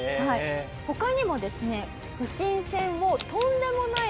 他にもですね。